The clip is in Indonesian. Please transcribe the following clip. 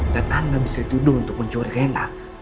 dan anda bisa dituduh untuk mencuri reina